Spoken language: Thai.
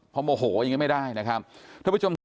พอโมโหอย่างนี้ไม่ได้นะครับ